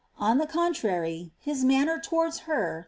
On the coauarf, his wanner towards her.